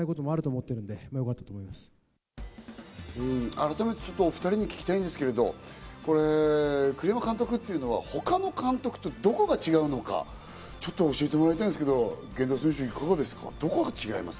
改めてちょっと、お２人に聞きたいんですけど、栗山監督っていうのは他の監督とどこが違うのか、ちょっと教えてもらいたいんですけど、源田選手いかがですか？